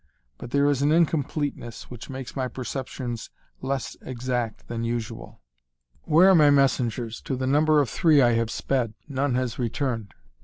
But there is an incompleteness which makes my perceptions less exact than usual." "Where are my messengers? To the number of three have I sped. None has returned."